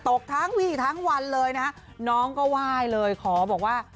ตกทั้งวี่ทั้งวันเลยนะฮะน้องก็ไหว้เลยขอบอกว่า